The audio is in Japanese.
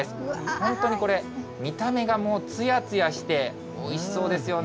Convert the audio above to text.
本当にこれ、見た目がもうつやつやしておいしそうですよね。